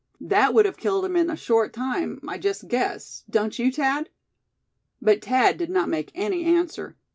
That would have killed him in a short time, I just guess, don't you, Thad?" But Thad did not make any answer.